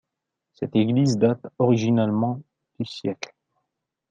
Cette église date originellement du siècle.